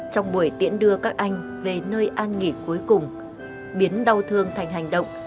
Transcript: trong buổi tiễn đưa các anh về nơi an nghỉ cuối cùng biến đau thương thành hành động